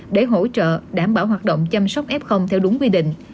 để hỗ trợ đảm bảo hoạt động chăm sóc f theo đúng quy định